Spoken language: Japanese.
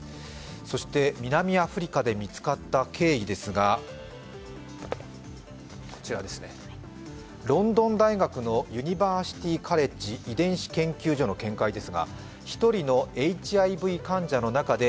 そして、南アフリカで見つかった経緯ですがロンドン大学のユニバーシティー・カレッジ遺伝子研究所の見解です。